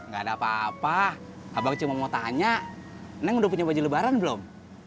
gak ada apa apa abang cuma mau tanya neng udah punya baju lebaran belum